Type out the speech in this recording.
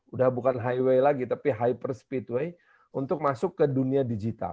udah bukan highway lagi tapi hyper speedway untuk masuk ke dunia digital